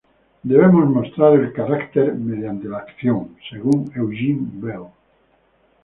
Debemos mostrar el carácter mediante la acción"", según Eugene Vale.